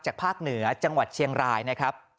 ภาคเหนือจังหวัดเชียงรายนะครับ